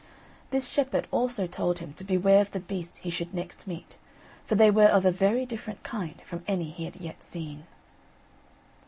This shepherd also told him to beware of the beasts he should next meet, for they were of a very different kind from any he had yet seen.